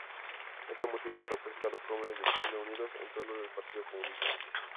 Este motivo representa a los jóvenes de China unidos en torno al Partido Comunista.